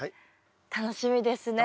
楽しみですね。